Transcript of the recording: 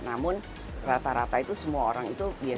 namun rata rata itu semua orang itu biasanya mau